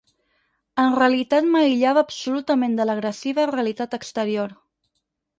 En realitat m'aïllava absolutament de l'agressiva realitat exterior.